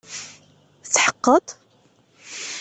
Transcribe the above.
Tetḥeqqeḍ?